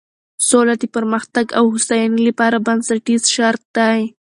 سوله د پرمختګ او هوساینې لپاره بنسټیز شرط دی.